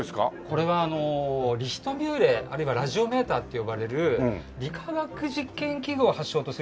これはあのリヒトミューレあるいはラジオメーターって呼ばれる理化学実験器具を発祥とするインテリア。